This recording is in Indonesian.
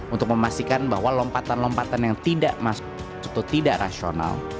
untuk memastikan bahwa lompatan lompatan yang tidak masuk tidak rasional